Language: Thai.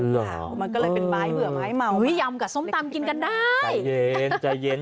เหรอมันก็เลยเป็นไม้เบื่อไม้เมาอุ้ยยำกับส้มตำกินกันได้เย็นใจเย็น